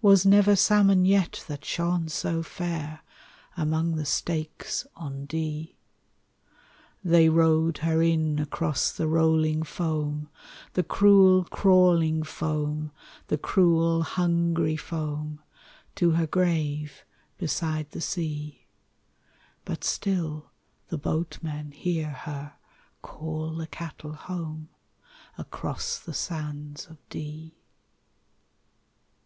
Was never salmon yet that shone so fair Among the stakes on Dee." They rowed her in across the rolling foam, The cruel crawling foam, The cruel hungry foam, RAINBOW GOLD To her grave beside the sea: But still the boatmen hear her call the cattle home Across the sands of Dee!